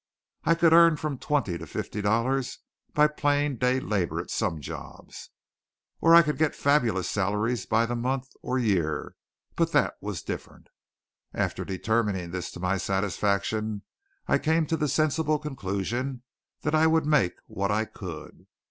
I could earn from twenty to fifty dollars by plain day labour at some jobs; or I could get fabulous salaries by the month or year; but that was different. After determining this to my satisfaction I came to the sensible conclusion that I would make what I could.